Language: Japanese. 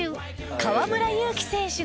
河村勇輝選手の実家へ。